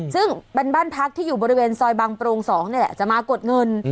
ซึ่งเป็นบ้านพักที่อยู่บริเวณซอยบางโปรง๒นี่แหละจะมากดเงิน